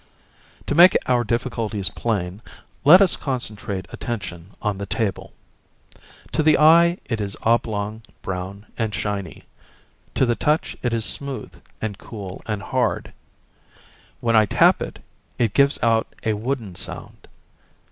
To make our difficulties plain, let us concentrate attention on the table. To the eye it is oblong, brown and shiny, to the touch it is smooth and cool and hard; when I tap it, it gives out a wooden sound.